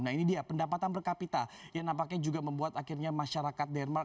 nah ini dia pendapatan per kapita yang nampaknya juga membuat akhirnya masyarakat denmark